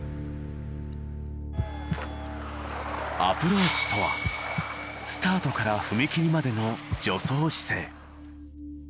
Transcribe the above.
アプローチとはスタートから踏み切りまでの助走姿勢。